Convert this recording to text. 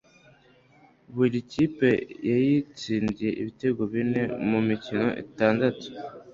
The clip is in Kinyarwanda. buri kipe yayitsindiye ibitego bine mu mikino itandukanye